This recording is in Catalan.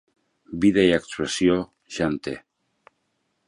-Vida i expressió, ja en té